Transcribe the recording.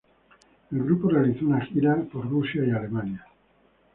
El grupo realizó una gira en Rusia y Alemania.